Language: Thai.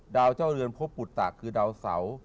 เจ้าเรือนพบปุตตะคือดาวเสา